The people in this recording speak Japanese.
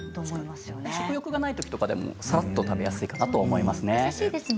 食欲がないときでもさらっと食べやすいかと思います。